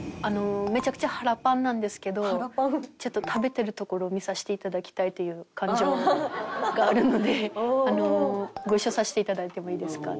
「めちゃくちゃ腹パンなんですけどちょっと食べてるところを見させていただきたいという感情があるのでご一緒させていただいてもいいですか？」